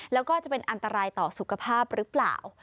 แล้วก็จะเป็นอันตรายต่อสุขภาพหรือเปล่า